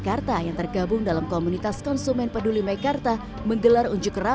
menyebabkan kegiatan kekejangan perubahan di sekolah ini